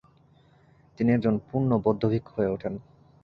তিনি একজন পূর্ণ বৌদ্ধ ভিক্ষু হয়ে ওঠেন।